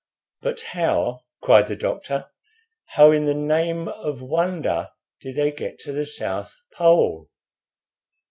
"But how," cried the doctor "how in the name of wonder did they get to the South Pole?"